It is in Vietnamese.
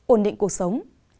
ổn định cuộc sống